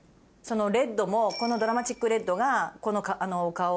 レッドも「ドラマチックレッドがこのお顔には合う」。